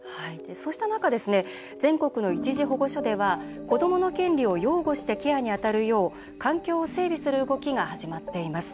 そうした中全国の一時保護所では子どもの権利を擁護してケアに当たるよう環境を整備する動きが始まっています。